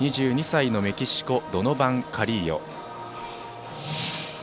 ２２歳のメキシコ、ドノバン・カリーヨ。